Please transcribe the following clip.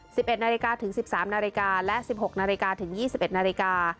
สิบเอ็ดนาฬิกาถึงสิบสามนาฬิกาและสิบหกนาฬิกาถึงยี่สิบเอ็ดนาฬิกา